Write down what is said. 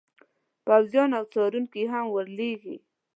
پوځیان او څارونکي هم ور لیږي.